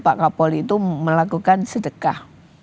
pak kapolri itu melakukan sedekah